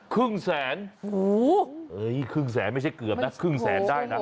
ครึ่งแสนครึ่งแสนไม่ใช่เกือบนะครึ่งแสนได้นะ